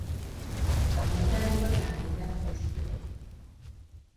Amazaalibwa gange gatuuse.